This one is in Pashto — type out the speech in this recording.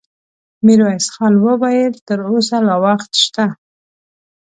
ميرويس خان وويل: تر اوسه لا وخت شته.